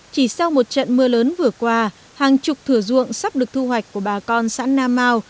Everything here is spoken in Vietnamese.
chỉ sau một trận mưa lớn vừa qua hàng chục thửa ruộng sắp được thu hoạch của bà con xã na mau